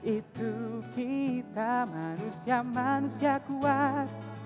itu kita manusia manusia kuat